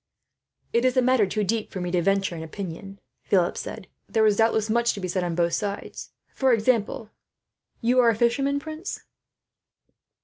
"It is a matter too deep for me to venture an opinion," Philip said. "There is doubtless much to be said, on both sides. For example you are a fisherman, prince?"